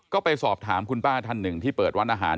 ก็ไปสอบถามคุณป้าท่านหนึ่งที่เปิดร้านอาหาร